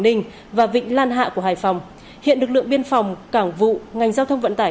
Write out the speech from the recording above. ninh và vịnh lan hạ của hải phòng hiện lực lượng biên phòng cảng vụ ngành giao thông vận tải